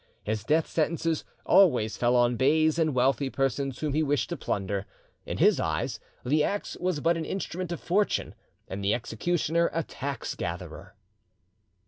His death sentences always fell on beys and wealthy persons whom he wished to plunder. In his eyes the axe was but an instrument of fortune, and the executioner a tax gatherer.